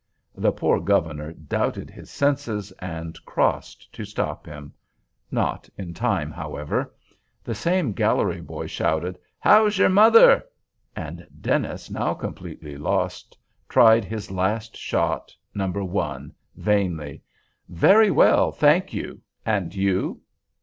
The poor Governor doubted his senses, and crossed to stop him—not in time, however. The same gallery boy shouted, "How's your mother?"—and Dennis, now completely lost, tried, as his last shot, No. 1, vainly: "Very well, thank you; and you?"